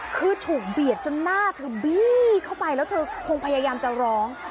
คือถูกเบียดจนหน้าเธอบี้เข้าไปแล้วเธอคงพยายามจะร้อง